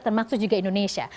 termasuk juga indonesia